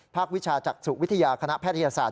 ภาควิชาจักรสุขวิทยาคณะแพทยาศาสตร์